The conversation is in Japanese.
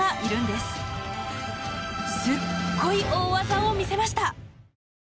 すっごい大技を見せました。